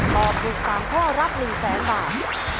ตอบถูก๓ข้อรับ๑แสนบาท